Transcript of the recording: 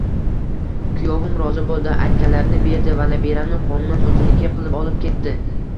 Kuyovim rozi bo`ldi, aytganlarini berdi va nabiramni qonunan o`ziniki qilib olib ketdi